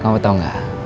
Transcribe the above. kamu tau gak